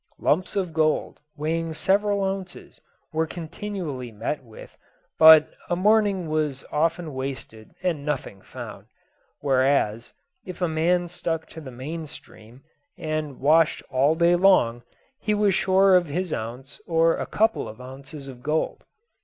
Lumps of gold, weighing several ounces, were continually met with, but a morning was often wasted and nothing found; whereas, if a man stuck to the main stream, and washed all day long, he was sure of his ounce or couple of ounces of gold.